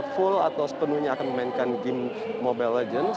full atau sepenuhnya akan memainkan game mobile legends